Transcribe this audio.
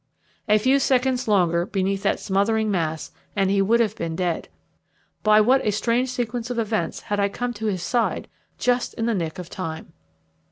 A few seconds longer beneath that smothering mass and he would have been dead. By what a strange sequence of events had I come to his side just in the nick of time!